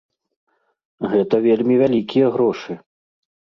Гэта вельмі вялікія грошы!